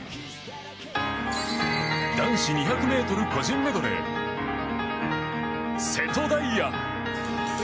男子２００ｍ個人メドレー瀬戸大也。